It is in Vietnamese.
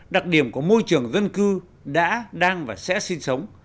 đặc điểm của môi trường dân cư đã đang và sẽ sinh sống